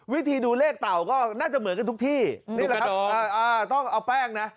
วิธีดูเลขเต่าก็น่าจะเหมือนกันทุกที่นี่แหละครับต้องเอาแป้งนะ